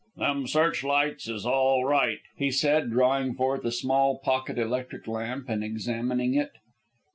"Them search lights is all right," he said, drawing forth a small pocket electric lamp and examining it.